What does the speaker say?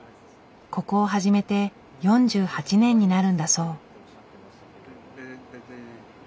ここを始めて４８年になるんだそう。